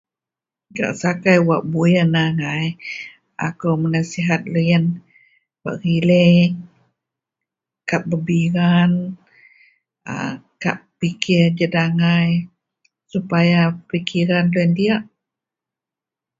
gak sakai wak buyen agai, akou menasihat loyien bak relek, kak bebiran a kak pepikir jed agai, supaya pikiran deloyien diak